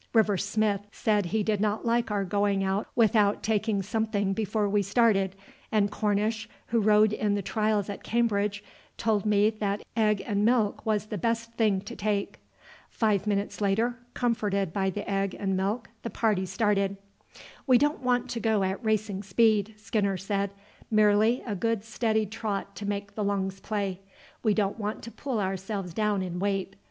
River Smith said he did not like our going out without taking something before we started, and Cornish, who rowed in the trials at Cambridge, told me that egg and milk was the best thing to take." Five minutes later, comforted by the egg and milk, the party started. "We don't want to go at racing speed," Skinner said; "merely a good steady trot to make the lungs play. We don't want to pull ourselves down in weight.